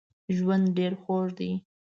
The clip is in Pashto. ژوند ډېر خوږ دی